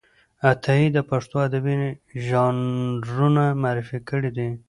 عطايي د پښتو ادبي ژانرونه معرفي کړي دي.